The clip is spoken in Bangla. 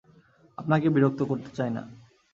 আপনাকে বিরক্ত করতে চাই না।